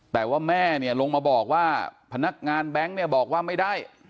แต่ว่าแม่เนี่ยลงมาบอกว่าพนักงานแบงค์เนี่ยบอกว่าไม่ได้